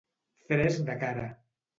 Fresc de cara.